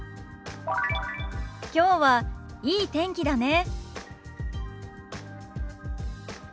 きょうはいい天気だね。